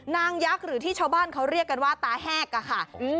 ยักษ์หรือที่ชาวบ้านเขาเรียกกันว่าตาแหกอะค่ะ